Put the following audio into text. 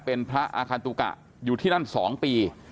เป็นพระอาคานตุกะอยู่ที่นั่น๒ปี